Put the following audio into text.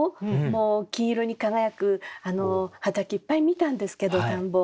もう金色に輝く畑いっぱい見たんですけど田んぼ。